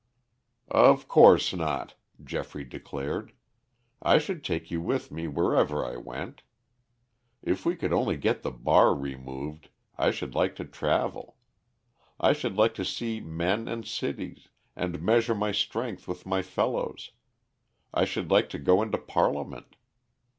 "Of course not," Geoffrey declared. "I should take you with me wherever I went. If we could only get the bar removed I should like to travel. I should like to see men and cities, and measure my strength with my fellows. I should like to go into Parliament.